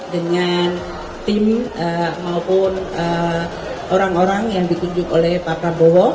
dan tim maupun orang orang yang ditunjuk oleh prabowo